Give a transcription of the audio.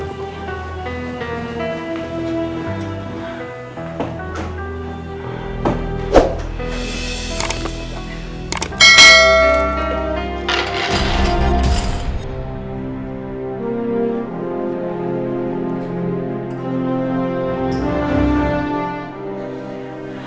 terima kasih tante